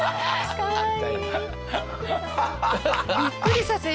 かわいい。